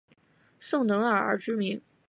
宋能尔而知名。